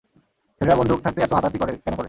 ছেলেরা বন্দুক থাকতে এতো হাতাহাতি কেন করে?